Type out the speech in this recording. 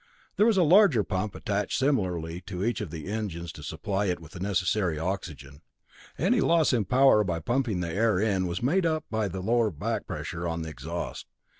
There was a larger pump attached similarly to each of the engines to supply it with the necessary oxygen. Any loss in power by pumping the air in was made up by the lower back pressure on the exhaust.